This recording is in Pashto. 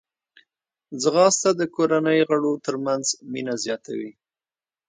ځغاسته د کورنۍ غړو ترمنځ مینه زیاتوي